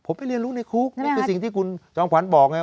ผมไปเรียนรู้ในคุกนี่คือสิ่งที่คุณจอมขวัญบอกไง